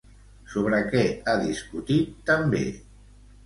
Sobre què ha discutit també?